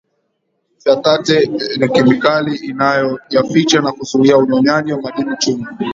Phytate ni kemikali inayoyaficha na kuzuia unyonyaji wa madini chuma